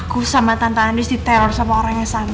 aku sama tante anies diteror sama orang yang sama